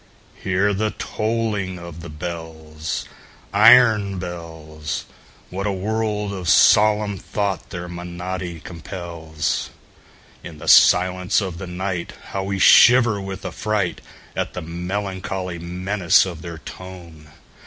Hear the tolling of the bells, Iron bells! What a world of solemn thought their monody compels! In the silence of the nightHow we shiver with affrightAt the melancholy menace of their tone!